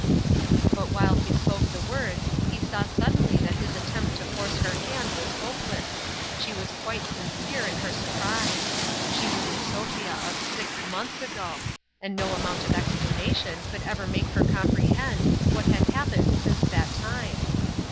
" But while he spoke the words, he saw sud denly that his attempt to force her hand was hopeless : she was quite sincere in her surprise ; she was the Sophia of six months ago, and no amount of explanation could ever make her comprehend what had happened since that time